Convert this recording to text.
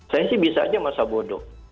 saya sih bisa aja masa bodoh